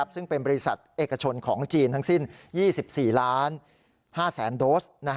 ซึ่งเป็นบริษัทเอกชนของจีนทั้งสิ้น๒๔๕๐๐๐โดส